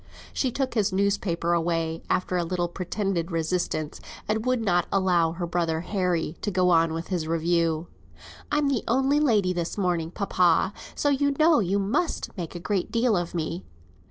She took his newspaper away after a little pretended resistance, and would not allow her brother Harry to go on with his review. "I'm the only lady this morning, papa, so you know you must make a great deal of me."